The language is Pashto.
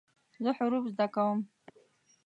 زه حروف زده کوم.